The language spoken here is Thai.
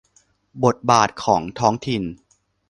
บทบาทของท้องถิ่น